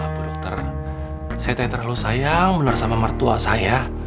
bu dokter saya tak terlalu sayang benar sama mertua saya